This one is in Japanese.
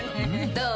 どう？